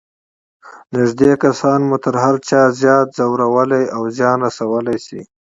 نږدې کسان مو تر هر چا زیات ځورولای او زیان رسولای شي.